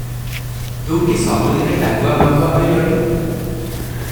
ତୁ କି ସବୁ ଦିନେ ଡାଙ୍ଗୁଆ ମାଙ୍ଗୁଆ ହୋଇ ରହିଥିବୁ?